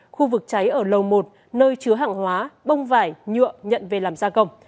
khu vực cháy ở lầu một nơi chứa hàng hóa bông vải nhựa nhận về làm gia công